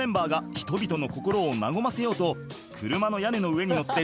人々の心を和ませようと車の屋根の上に乗って